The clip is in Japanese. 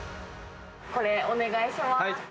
これ、お願いします。